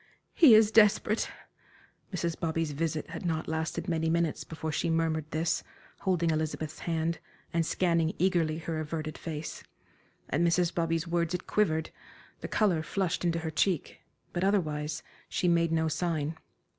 "He is desperate." Mrs. Bobby's visit had not lasted many minutes before she murmured this, holding Elizabeth's hand, and scanning eagerly her averted face. At Mrs. Bobby's words it quivered, the color flushed into her cheek; but otherwise she made no sign.